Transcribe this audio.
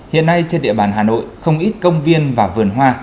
hiện nay trên địa bàn hà nội không ít công viên và vườn hoa